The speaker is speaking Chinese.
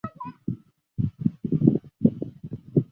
穹顶是苏格兰爱丁堡新城乔治街的一座建筑物。